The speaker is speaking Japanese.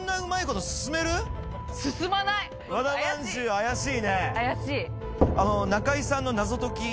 怪しい！